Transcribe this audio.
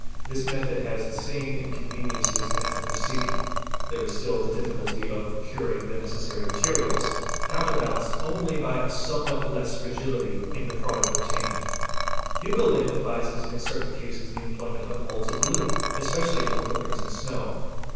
This method has the same inconveniences as the preceding ; nike Si ek a jE Ae ~ there is still the difficulty of procuring the necessary materials, counter _ balanced only by a somewhat less fragility in the product obtained. Hugoulin advises in certain cases the employment of moulds of glue, especially for footprints in snow.